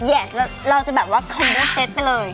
แล้วเราจะแบบว่าคอมโบเซตไปเลย